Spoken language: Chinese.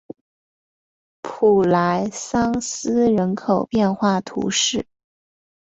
普莱桑斯人口变化图示